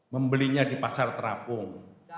membelinya di pasar terapung